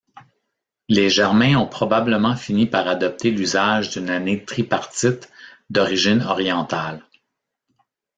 Les Germains ont probablement fini par adopter l'usage d'une année tripartite, d'origine orientale.